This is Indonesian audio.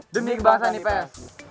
demi kebangsaan ips